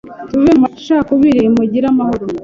tuve mu macakubiri Mugire amahoro